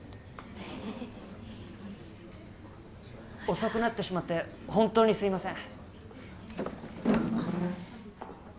遅くなってしまって本当にすいません。